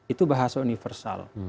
itu bahasa universal